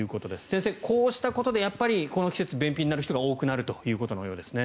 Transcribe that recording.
先生、こうしたことでこの季節に便秘になる人が多くなるということですね。